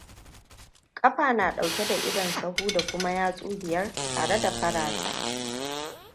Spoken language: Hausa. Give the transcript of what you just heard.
Ƙafa na ɗauke da idon sahu da kuma yatsu biyar tare da farata.